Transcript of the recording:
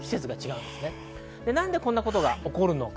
なんでこんなことが起こるのか。